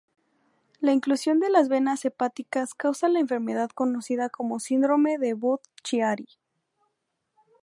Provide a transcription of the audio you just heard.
La oclusión de las venas hepáticas causa la enfermedad conocida como síndrome de Budd-Chiari.